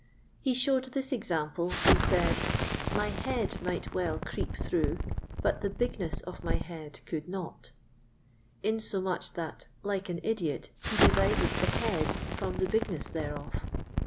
He showed this example, and said, "My head might well creep through, but the bigness of my head could not;" insomuch that, like an idiot, he divided the head from the bigness thereof.